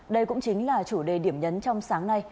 đây cũng chính là chủ đề điểm nhấn trong sáng nay